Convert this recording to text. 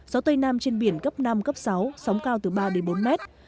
gió tây nam trên biển cấp năm cấp sáu sóng cao từ ba đến bốn mét